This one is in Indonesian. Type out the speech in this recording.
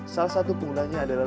salah satu penggunanya adalah